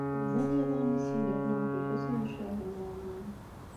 Bdan yiḍan-nni sseglafen ɣef Lḥusin n Caɛban u Ṛemḍan.